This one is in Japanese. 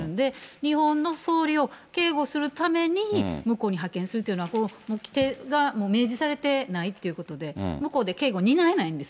日本の総理を警護するために向こうに派遣するというのは、明示されてないということで、向こうで警護担えないんです。